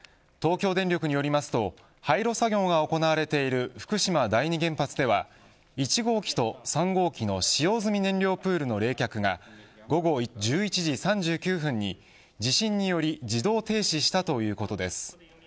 東京電力によりますと廃炉作業が行われている福島第二原発では１号機と３号機の使用済み燃料プールの冷却が午後１１時３９分に地震により自動停止したということです。